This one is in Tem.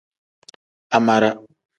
Amara.